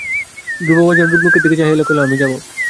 ধ্রুব রাজার মুখের দিকে চাহিয়া কহিল, আমি যাব।